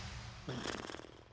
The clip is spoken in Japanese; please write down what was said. うん。